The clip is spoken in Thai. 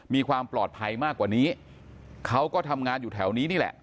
มีความปลอดภัยมากกว่านี้เขาก็ทำงานอยู่แถวนี้นี่แหละ